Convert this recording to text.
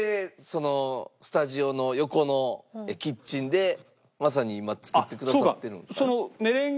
そのスタジオの横のキッチンでまさに今作ってくださってる。